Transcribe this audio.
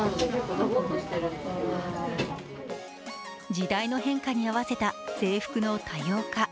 時代の変化に合わせた制服の多様化。